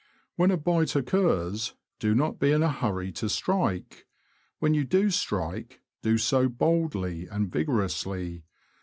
When a bite occurs, do not be in a hurry to strike. When you do strike, do so boldly and vigorously.